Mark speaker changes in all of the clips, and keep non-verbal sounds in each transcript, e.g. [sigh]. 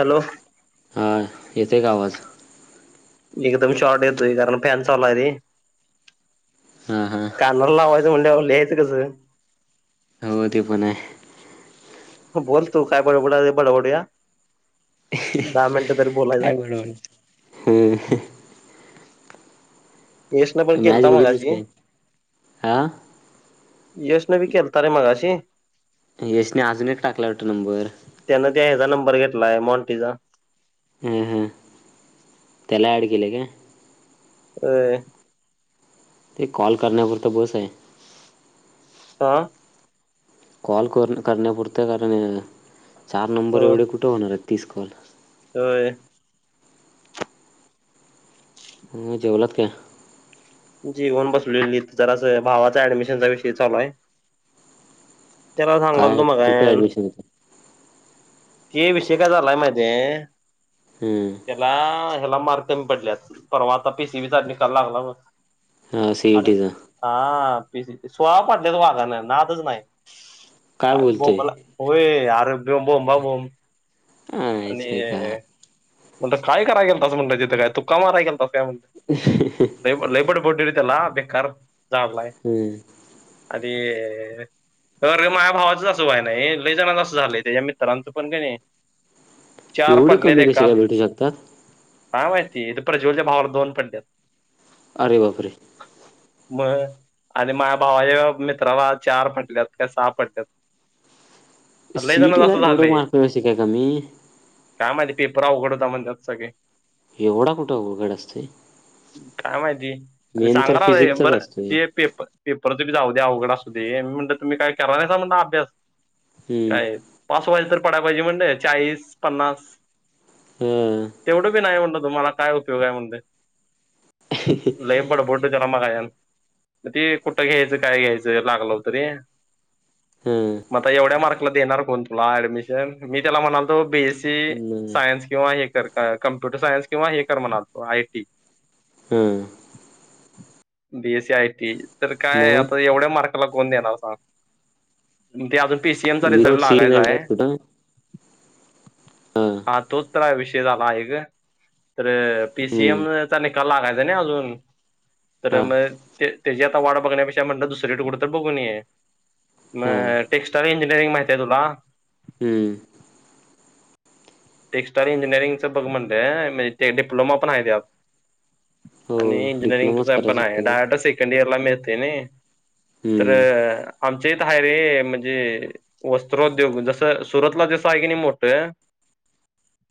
Speaker 1: Hello
Speaker 2: हा येते का आवाज
Speaker 1: एकदम शॉर्ट येतोय कारण फॅन चालाूय र
Speaker 2: हम हम
Speaker 1: ं्यावर यायचं कसं
Speaker 2: हो ते बण
Speaker 1: बोल तू काय बडबड बडबडूया दहा मिनिटं तरी
Speaker 2: काय
Speaker 1: बोलायचं
Speaker 2: बरो हम्म
Speaker 1: यशनं पण
Speaker 2: मॅच
Speaker 1: केलता
Speaker 2: बघितलीच
Speaker 1: मगाशी
Speaker 2: काय हा
Speaker 1: यश्न बी खलत रे मगाशीी
Speaker 2: यशने अजून एक टाकला होता नंबर
Speaker 1: र घेतलाय मॉंटीचा
Speaker 2: ह हा त्याला अड केले काे
Speaker 1: ह
Speaker 2: ते कॉल करण्यावर तर बस आहे
Speaker 1: आा
Speaker 2: कॉल कर करण्याप पुरते कारण चार नंबर
Speaker 1: हो
Speaker 2: एवढे कुठे होणार आहेत? तीस कॉल
Speaker 1: होय.
Speaker 2: म जेवलात काय?
Speaker 1: जेऊन बसलोय मी जरास भावाच ऍडमिशनचा विषय चालू आहे. त्याला
Speaker 2: काय
Speaker 1: सांगालतो
Speaker 2: कुठे
Speaker 1: मगाच्यांन.
Speaker 2: ऍडमिशन होत
Speaker 1: ते विषय काय झालाय माहिती हाय
Speaker 2: हम्म
Speaker 1: तेला हेला मार कमी पडल्यात, परवा आता पी सी बी चा निकाला लागला बग
Speaker 2: हा
Speaker 1: अरे
Speaker 2: सीईटीचा
Speaker 1: हा. सोळा पाडल्यात वाघान नाद च नाही.
Speaker 2: काय बोलतोय
Speaker 1: बोंबला होय. आर ब बोंबाबोंब
Speaker 2: आई च्या गाव
Speaker 1: मणल काय कराय गेलतास म्हटल तिथं काय तुका मारय गेलतास लय लय बड तेला बेकार झाडलाय.
Speaker 2: हम्म
Speaker 1: तर माझ्या भावाचं असं व्हाय नाही लय जनाच असं झालंय त्याच्या मित्रांचं पण कणी चार
Speaker 2: एवढे
Speaker 1: पडलेत
Speaker 2: कमी कसे
Speaker 1: एका
Speaker 2: काय भेटू शकतात?
Speaker 1: काय माहिती इथ प्रज्वलच्या भावाला दोन पडल्यात.
Speaker 2: अरे बाप रे.
Speaker 1: मग आणि माझ्या भावाच्या मित्राला चार पडल्यात काय सहा पडल्यात. लय
Speaker 2: सी इ टी
Speaker 1: जणांचं
Speaker 2: ला
Speaker 1: असं
Speaker 2: एवढं
Speaker 1: झालंय
Speaker 2: मार्ग कसे काय कमी?
Speaker 1: काय माहिती पेपर आवघड होता म्हणत्यात सगळी.
Speaker 2: एवढा कुठं आवगड असतोय.
Speaker 1: अरे सांगायला लागलोय काय बर ते पेप पेप जाऊदे अवघड आसुदे तुम्ही काय कराय नाहीसा म्हणल अभ्यास?
Speaker 2: हम्म.
Speaker 1: काय पास व्हायच तर पडाय पाहिजे म्हणल चाळीस, पन्नास
Speaker 2: हा
Speaker 1: तेवढं बी नाही म्हणल तुम्हाला काय उपयोग आहे म्हणल. लय बडबडलोय त्याला मागाच्यांन. ते कुठं घ्यायचं काय घ्यायचं लागलं होत रे.
Speaker 2: हा
Speaker 1: मग आता एवढ्या मार्क देणार कोण तुला ऍडमिशन मी त्याला म्हणालतो बीस
Speaker 2: नाही.
Speaker 1: सायन्स किंवा कम्प्युटर सायन्स किंवा हे कर म्हणालत आय टी
Speaker 2: हम
Speaker 1: बी एस आय टी तर काय
Speaker 2: मग
Speaker 1: आता एवढ्या मार्क ला कोण देणार सांग ते अजून पीसीएमचा रिझल्ट
Speaker 2: विथउट सी
Speaker 1: लागायचा आहे हा तोच तरय विषय झाला आहे ग तर पी
Speaker 2: हम्म.
Speaker 1: सीएमचा निकाल लागाय चाय अजून. तर
Speaker 2: हा
Speaker 1: मग ते त्याची आता वाट बघण्यापेक्षा म्हणलं दुसरे कुठं तर बघूनये. म
Speaker 2: हा
Speaker 1: टेक्स्टाईल इंजिनी रींग माहिती आहे तुला?
Speaker 2: हम्म.
Speaker 1: टेक्स्टाइल इंजिनिअरिंग चं बघ म्हणलंय म्हणजे ते डिप्लोमा पण आहे त्यात.
Speaker 2: हो
Speaker 1: आणि
Speaker 2: डिप्लोमाच
Speaker 1: इंजिनिअरिंगच पण
Speaker 2: करायचा
Speaker 1: आहे
Speaker 2: तिला
Speaker 1: डायरेक्ट सेकंड इयर मिळते नाही. तर
Speaker 2: हम्म.
Speaker 1: आमचे आहे रे म्हणजे वस्त्रोद्योग जसं सुरतला जस आहे की नाही मोठं.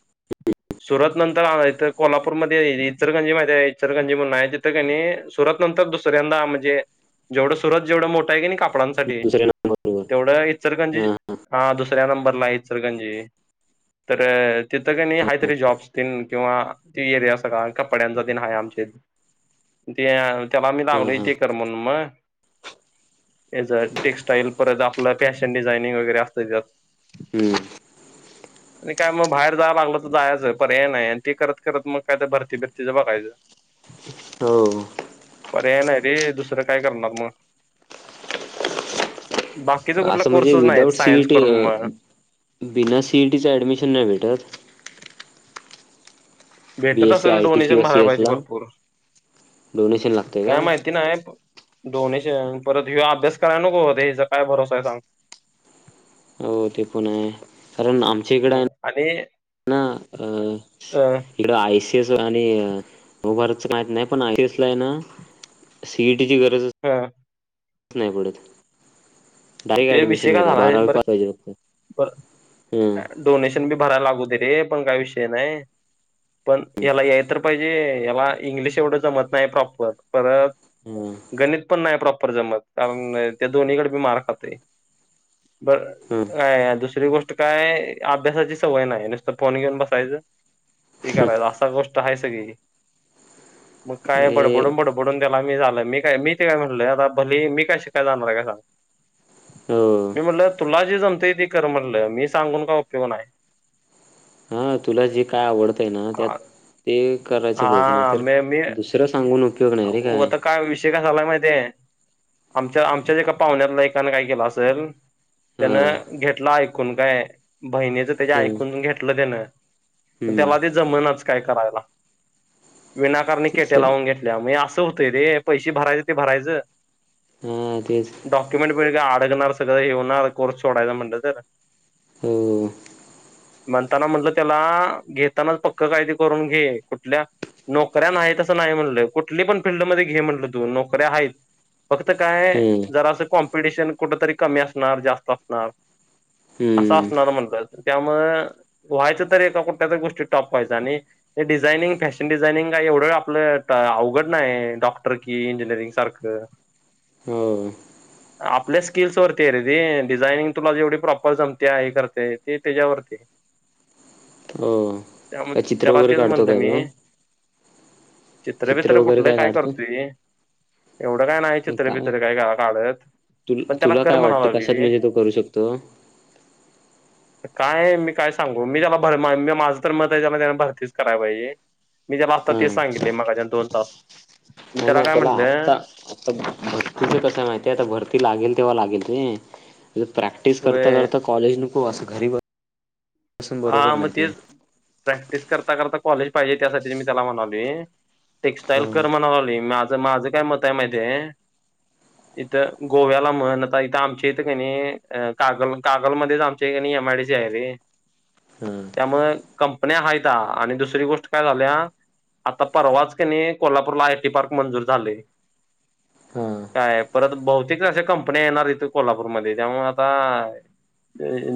Speaker 2: [inaudible]
Speaker 1: सुरत नंतर इथ कोल्हापूरमध्ये इचरगंजी मा इचरगंजी म्हणून आहे तिथं काणी सुरत नंतर दुसऱ्यांदा म्हणजे जेवढं सुरत जेवढं मोठं आहे क काप डांसाठी
Speaker 2: दुसऱ्या नंबरवर
Speaker 1: तेवढं इचलकरंजी हा दुस सऱ्या नंबरला आहे इचलकरंजी. तर तिथं का नाही काहीतरी जॉब्स तेन किंवा ती एरिया सगळा कपड्यांचा तेन आहे आमच्या ते त्याला मी
Speaker 2: हा
Speaker 1: लागलो इ
Speaker 2: हा
Speaker 1: तेे कर म्हणून मग. याच टेक्स्टाईल परत आपलं फॅशन डिझाइनिंग वगैरे असत त्यात.
Speaker 2: हम्म.
Speaker 1: आणि काय मग बाहेर जावं लागलं तर जायचंय पर्याय नाही आणि ते करत करत मग काय तर भरती भिरतीच बघायचं.
Speaker 2: हो.
Speaker 1: पर्याय नाही रे दुसरं काय करणार मग. बाकीचा कुठला
Speaker 2: असं म्हणजे
Speaker 1: कोर्सच नाही आहेत
Speaker 2: विदाउट
Speaker 1: सायन्स
Speaker 2: सीईटी
Speaker 1: करून मग
Speaker 2: बना सीईटीच ॲडमिशन नाही भेटत.
Speaker 1: भेटत
Speaker 2: बीएससी
Speaker 1: असेल
Speaker 2: आय टी
Speaker 1: डोनेशन
Speaker 2: किंवा
Speaker 1: भराय पाहिजे
Speaker 2: सीएसला
Speaker 1: भरपूर
Speaker 2: डोनेशन लागतंय
Speaker 1: काय माहिती नाही. डोनेशन परत ह्यो अभ्यास कराय नको हेचा काय भरोसा आहे सांग?
Speaker 2: हो ते पण आहे. कारण आमच्या इकडं आहे
Speaker 1: मग आणि
Speaker 2: ना
Speaker 1: अ
Speaker 2: इकडं आय. सी आणि वरचं माहीत नाही पण [unintelligible] ना सी. ई टीची गरज अस
Speaker 1: ह
Speaker 2: त नाही पडत. डायरेक्ट
Speaker 1: ते विषय
Speaker 2: ॲडमिशन
Speaker 1: का
Speaker 2: घेतात
Speaker 1: झाला
Speaker 2: बारावी
Speaker 1: बर
Speaker 2: पास पाहिजे फक्त
Speaker 1: ब
Speaker 2: हं,
Speaker 1: डोनेशन बी भरायला लागू दे. ते पण काय विषय नाही. पण याला याय तर पाहि जे. याला इंग्लिश एवढं जमत नाही प्रॉपर. परत
Speaker 2: हं,
Speaker 1: गणित पण नाही प्रॉप जमत कारण त्या दोन्हीकडे मी मार खात ते बर
Speaker 2: हं.
Speaker 1: का दुसरी गोष्ट काय अभ्यासाची सवय नाही नुसतं फोन घेऊन बसायचं. ते करायच असा गोष्ट आहेस. ग मग काय बड
Speaker 2: हे
Speaker 1: बुडून बड बुडून दला मी झालंय मी काय मी ते काय म्हटलय आता भली मी काय श काय जाणार आहे काय सांग.
Speaker 2: हो
Speaker 1: मी म्हणलं तुला जे जमते. कर म्हटलं मी सांगून का उपयोग आहे.
Speaker 2: हा तुला जे काय आवडतं आहे ना त्यात ते कराय बघ नाही
Speaker 1: हा
Speaker 2: तर
Speaker 1: मी मी
Speaker 2: दुसर सग
Speaker 1: आता काय विषय काय माहि आहे. आमच्या आमच्या ज एका पाहुण्यातला एकानें काय केलं असेल त्यांना
Speaker 2: हां
Speaker 1: घेत. म्हटला ऐकून काय. बहिणीचं त्याच्या
Speaker 2: हं,
Speaker 1: ऐकून घेतलं त्यान पण
Speaker 2: हं.
Speaker 1: त्याला ते जमनच काय करायं. [unintelligible] विनाकारणी
Speaker 2: तेच
Speaker 1: केटे
Speaker 2: तर
Speaker 1: लावून घे. असं होतंय र पैसे भरायचं ते भरायचं.
Speaker 2: हां तेच
Speaker 1: डॉक्युमेंट बर का अडगणार सगळं येणार कोर ोडायला म्हटलं तर.
Speaker 2: हो
Speaker 1: म्हणताना म्हटलं त्याला घेतानाच पक्क कायदे करून घे कुठल्या नोकऱ्या आहेत तसं नाही म्हणलं. कुठली पण फिल्डमध्येध्ये घे म्हंटलं तू नोकऱ्या आहेत. फक्त काय
Speaker 2: हं,
Speaker 1: जरा असं कॉम टशन कुठरी कमी असणार जास्त असणार. ह सास्
Speaker 2: हं.
Speaker 1: नॉर्मल त्यामु व्हायचं तर एका कुठत्याच गोष्टी टॉप व्हायचं. आणि ते डिझायनिंग फॅशन डिझायनिंग का एवढं आपलं अवघड नाही डॉक्टर कि इंजिनिअरिंग सारखं
Speaker 2: हो.
Speaker 1: आपल्या स्किल्सवररती आहे रेदीी डिझाइनिंग तुला जेवढी प्रॉपर जमते आहे करते ते त्याच्यावरती त्यामुळे
Speaker 2: का चित्र
Speaker 1: त्याला
Speaker 2: वगैरे
Speaker 1: तेच
Speaker 2: काढतो काय त
Speaker 1: चित्रबित्र कुठलं काय करतोय. एवढं काय नाही चित्र बित्र काय काढत
Speaker 2: तु
Speaker 1: पण त्याला
Speaker 2: तुला
Speaker 1: कर
Speaker 2: काय वाटतं कशात
Speaker 1: म्हणालावली
Speaker 2: म्हणजे तो करू शकतो हा
Speaker 1: काय. मी काय सांगू मी त्याला भर मी माझं तर मत आहे त्याना भरतीच कराय पाहिजे मी जे बगता ते सांगलं दोन तास
Speaker 2: नाही नाही त्याला आत्ता
Speaker 1: म्हटलं
Speaker 2: आता भरतीच कस माहितीय आता भरती लागेल तेव्हा लागेल ह प्रॅक्टिस करता
Speaker 1: व्हय
Speaker 2: करता कॉलेज न तो असं घरी बत
Speaker 1: हा मग ते प्रॅक्टिस करता करता कॉलेज पाहिजे त्यासाठी मी त्याला म्हणाल टेक्स्टाईल
Speaker 2: हम्म
Speaker 1: कर म्हणा लाली मी माझं काय मत आहे माहिती आहेय इथं गोव्याला म्हण आता इथं आमच्या इथं काणी कागल कागलमध्येध्येच आमच्याणी एमआयडी सी आहे रे
Speaker 2: हम्म
Speaker 1: त्यामु कंपन्या हाय त्या आणि दुसरी गोष्ट काय झाल्या आता परवाच कनी कोल्हापूरला आयटी पार्क मंजूर झाले
Speaker 2: हा
Speaker 1: काय परत बहुतेक अशा कंपन्या येणार इथे कोल्हापूरमध्ये त्यामुळे आता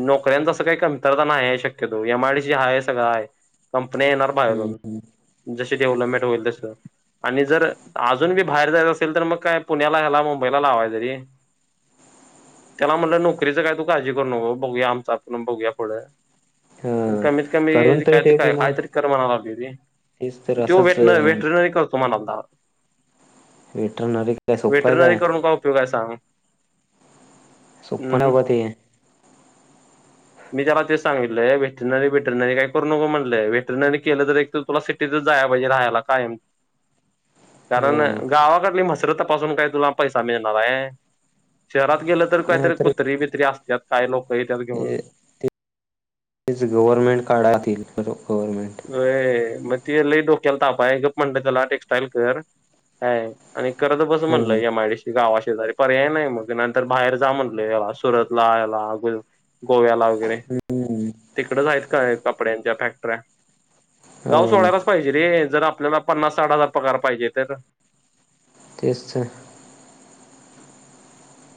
Speaker 1: नोकऱ्यांचं काही कमतरता नाही आहे शक्य एम आय डी हा आहे सग आहे कंपनी्या येणार
Speaker 2: हम्म
Speaker 1: बाहेरून
Speaker 2: हम्म
Speaker 1: जशी डेव्हलपमेंट होईल तस आणि जर अजून बी बाहेर जायचं असेल तर मग काय पुण्याला ह्याला मुंबईला लावाय तरी त्याला म्हटलं नोकरीच काय तू काळजी करू नको बघूया आमचा बघूया पुढं प
Speaker 2: हा
Speaker 1: कमीत कमी
Speaker 2: करून तर
Speaker 1: काय
Speaker 2: ठेव
Speaker 1: काय
Speaker 2: किमान
Speaker 1: काहीतरी कर म्हणा लागली
Speaker 2: तेच तर
Speaker 1: तो
Speaker 2: असंच
Speaker 1: वेट वेटनरी करतो मणा द
Speaker 2: वेटरनरी काय सोप्पं आहे
Speaker 1: वेटरनरी
Speaker 2: काय
Speaker 1: करून का उपयोग आहे सांग
Speaker 2: सुपन
Speaker 1: हम्म
Speaker 2: उप ते
Speaker 1: मी त्याला ते सांगित वेटनरी वेटनरी काय करू नको म्हटले वेहेटरनरी केलं तर एक तुला सिटीतच जा पाहिजे राहायला कायम कारण
Speaker 2: हो
Speaker 1: गावाकडली मस्त रथ तपासून काय तुला पैसा मिळणार आहे? शहरात गेलं तर
Speaker 2: नाही
Speaker 1: कायतरी कुत्री बित्री असत त्यात काय, लोक येतात घेवून
Speaker 2: तर तेच गव्हर्नमेंट काढा आधी, गव्हर्नमेंट
Speaker 1: व्हय मग ते खुप डोक्याला ताप आहे. तेच म्हणत आहे त्याला, टेक्स्टाईल कर, काय.... आणि करत बस म्हणलं
Speaker 2: हम्म
Speaker 1: एम आय डी सी गावात पर्याय नाही बघ, नंतर बाहेर जा म्हटल, सुरतला याला, गोव्याला वगैरे
Speaker 2: हम्म
Speaker 1: तिकडेच आहेत का कपड्यांच्या फॅक्टर्या? गाव
Speaker 2: हो
Speaker 1: सोडायलाच पाहिजे रे, जर आपल्याला पन्नास साठ हजार पगार, पाहिजे तर
Speaker 2: तेचच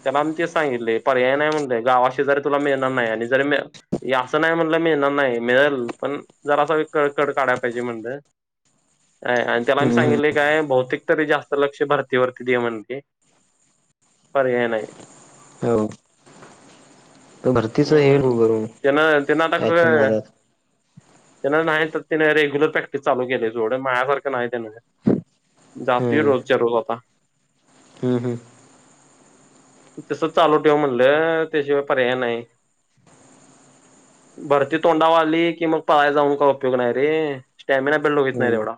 Speaker 1: त्याला आम्ही तेच सांगितले आहे, पर्याय नाही, म्हणले गावा शेजारी तुला मिळणार नाही, जरी असं नाही म्हणाल मिळेल जास्त लक्ष भरतीकडे दे असं म्हटलं आणि जरी असं नाही म्हणलं मिळणार नाही मिळेल पण जरा अस ककड काढा पाहिजे म्हणलं आणि त्याला आमही
Speaker 2: हम्म हम्म
Speaker 1: सांगितले काय बहुतेक तरी जास्त लक्ष भरतीवररती दे म्हणते पर्याय नाही
Speaker 2: हो तर भरतीच हे हो
Speaker 1: हम्म
Speaker 2: कर, याच्या नादात
Speaker 1: त्याना नाही तर त्याने रेग्युलर प्रॅक्टिस चालू केले जोड माझ्यासारखे नाही त्याचे जाती
Speaker 2: हम्म
Speaker 1: रोजच्या रोज आता
Speaker 2: हम्म- हम्म
Speaker 1: तस चालू ठेव म्हणलं त्याशिवाय पर्याय नाही भरती तोंडावर आली की मग पळायला जाऊन काय उपयोग नाही रे. स्टॅमिना बघत नाही
Speaker 2: हम्म
Speaker 1: तेवढा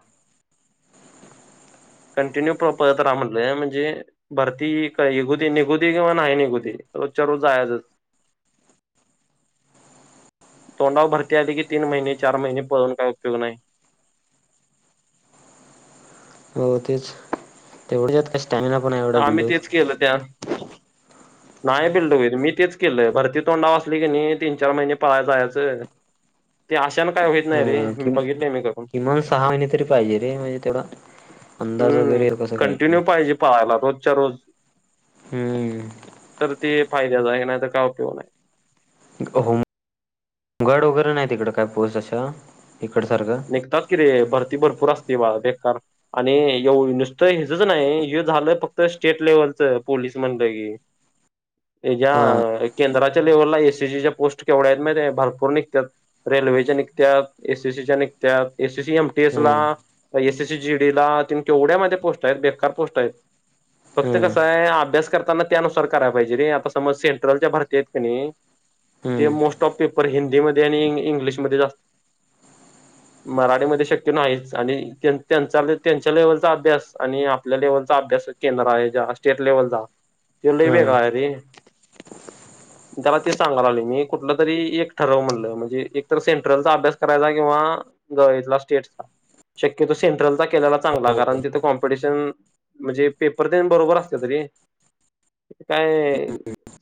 Speaker 1: कंटिन्यू पळ पळत रहा, म्हटलंय म्हणजे भरती निघु दे निघु दे किंवा नाही निघु दे रोजच्या रोज जायचं तोंडावर भरती आली कि तीन महिने चार महिने पळून काहीही उपयोग नाही
Speaker 2: हो तेच तेवढं जात क
Speaker 1: आम्ही तेच केलं त्या नाही बिल्ड होईल मी तेच केलं, भरती तोंडाव असली की नाही, तीन-चार महिने पळायला जायचं त्या आशेने काय होईल
Speaker 2: कि किमान सहा महिने तरी पाहिजे, रे म्हणजे तेवढा अंदाज वगैरे कस काय ते
Speaker 1: त्याला रोजच्या रोज
Speaker 2: हम्म
Speaker 1: तर ते फायद्याचा आहे की नाही, तर काय उपयोग नाही
Speaker 2: होम होमगार्ड वगैरे नाही, तिकड काय पोस्ट अशा इकडसारखं
Speaker 1: निघतात की रे भरती भरपूर असते बाळ बेकार आणि ए नुसतं हचच नाही हे झालं फक्त स्टेट लेवलच पोलीस म्हणलं की
Speaker 2: हा
Speaker 1: याच्या केंद्राच्या त्या लेव्हलला एसीसीच्या पोस्ट केवढ्या आहेत माहिती, भरपूर निघत्यात रेल्वेच्या निघत्यात एसीसीच्या निघ त्या एसीसी एमटीएस
Speaker 2: हम्म
Speaker 1: ला एसीसी जीडी ला त केवढ्या माझ्या पोस्ट आहेत बेकार पोस्ट आहेत फक्त
Speaker 2: हम्म
Speaker 1: कसं आहे अभ्यास करताना त्यानुसार करायला पाहिजे रे आता समज सेंट्रल ज्या भरती आहेत का नाही ते
Speaker 2: हम्म
Speaker 1: मोस्ट ऑफ पेपर हिंदीमध्येध्ये आणि इंग्लिशमध्ये जास्त मराठीमध्येध्ये शक्य नाहीच आणि त्यां त्यांच्या लेव्हलचा अभ्यास आणि आपल्या लेवलचा अभ्यास केंद्र आहे ज्या स्टेट लेव्हलचा तो लई
Speaker 2: हा
Speaker 1: वेगळा आहे रे, त्याला तेच सांगायला लागलो, मी कुठलं तरी एक ठरव म्हणलं म्हणजे एकतर सेंट्रलचा अभ्यास करायचा किंवा स्टेटचा शक्यतो, सेंट्रलचा केलेला चांगला
Speaker 2: कॉल
Speaker 1: कारण तिथे कॉम्पिटिशन म्हणजे पेपर तेन बरोबर असत्यात रे तरी काय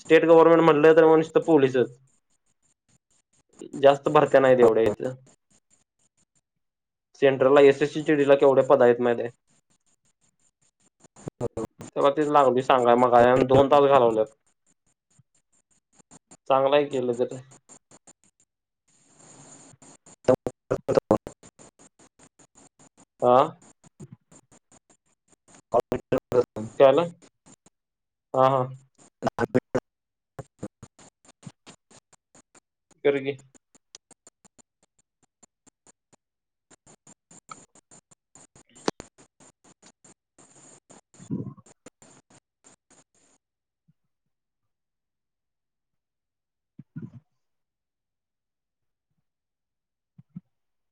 Speaker 1: स्टेट गव्हर्नमेंट म्हणलं तर मग पोलीसच जास्त भरत्या नाही एवढ्या इथ सेंट्रल ला एस एससीडी ला केवढे पद आहेत माहिती आहे, त्याला तेच लागलोय सांगायला मघापासून दोन तास घालवलेत चांगलं आहे केलं तर आ...
Speaker 2: करत
Speaker 1: त्याला हा- हा करकी ह